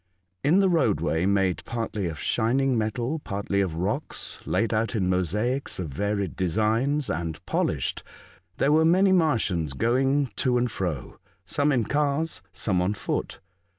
In the roadway, made partly of shining metal, partly of rocks laid out in mosaics of varied designs, and polished, there were many Martians going to and fro, some in cars, some on foot.